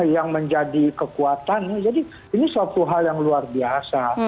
yang menjadi kekuatan jadi ini suatu hal yang luar biasa